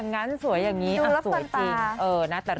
สมัยนี้เราอยู่ที่ไหนสิ้นสำคัญ